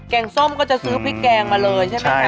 งส้มก็จะซื้อพริกแกงมาเลยใช่ไหมคะ